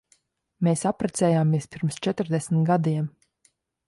Mēs apprecējāmies pirms četrdesmit gadiem.